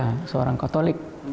ya seorang katolik